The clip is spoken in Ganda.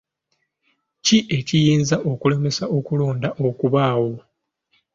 Ki ekiyinza okulemesa okulonda okubaawo?